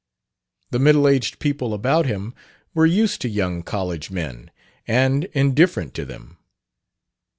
The middle aged people about him were used to young college men and indifferent to them.